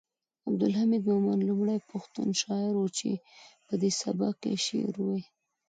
عبدالحمید مومند لومړی پښتون شاعر و چې پدې سبک یې شعر وایه